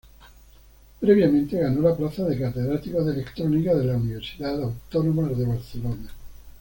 Previamente ganó la plaza de Catedrático de Electrónica de la Universidad Autónoma de Barcelona.